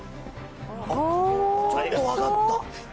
ちょっと上がった。